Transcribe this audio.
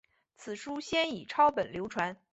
此书先以抄本流传。